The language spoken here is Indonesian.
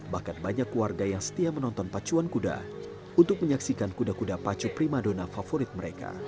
bahkan banyak warga yang setia menonton pacuan kuda untuk menyaksikan kuda kuda pacu primadona favorit mereka